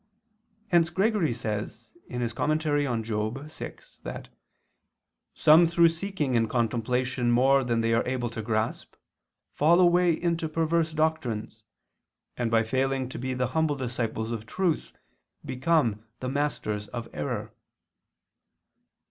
Hence Gregory says (Moral. vi) that "some through seeking in contemplation more than they are able to grasp, fall away into perverse doctrines, and by failing to be the humble disciples of truth become the masters of error."